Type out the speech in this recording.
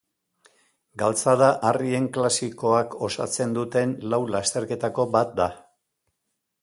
Galtzada-harrien klasikoak osatzen duten lau lasterketako bat da.